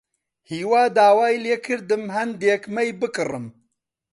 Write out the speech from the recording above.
هیوا داوای لێ کردم هەندێک مەی بکڕم.